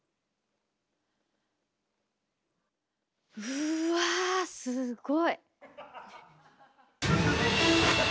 うわすごい。